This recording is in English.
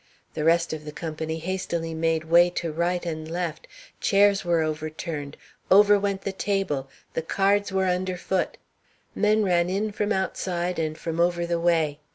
The rest of the company hastily made way to right and left, chairs were overturned, over went the table, the cards were underfoot. Men ran in from outside and from over the way.